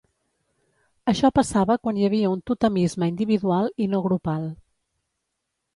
Això passava quan hi havia un totemisme individual i no grupal.